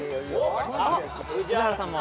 宇治原さんも。